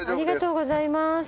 ありがとうございます。